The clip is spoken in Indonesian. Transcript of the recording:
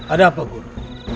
ada apa guru